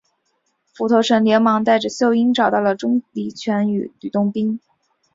斧头神连忙带着秀英找到了钟离权与吕洞宾。